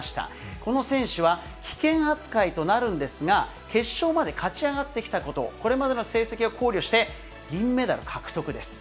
この選手は、棄権扱いとなるんですが、決勝まで勝ち上がってきたこと、これまでの成績を考慮して、銀メダル獲得です。